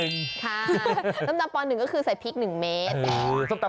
ค่ะส้มตำป๑ก็คือใส่พริก๑เมตร